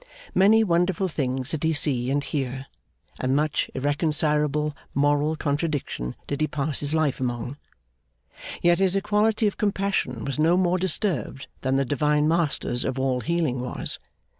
Many wonderful things did he see and hear, and much irreconcilable moral contradiction did he pass his life among; yet his equality of compassion was no more disturbed than the Divine Master's of all healing was.